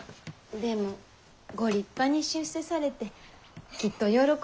でもご立派に出世されてきっと喜んでおられよう。